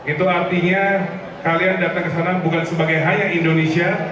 itu artinya kalian datang ke sana bukan sebagai hanya indonesia